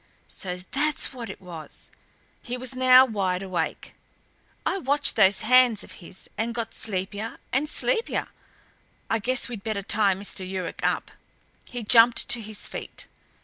"So that's what it was." He was now wide awake. "I watched those hands of his and got sleepier and sleepier I guess we'd better tie Mr. Yuruk up." He jumped to his feet.